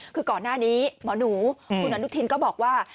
คือก่อนหน้านี้หมอหนูคุณอนุทินก็บอกว่า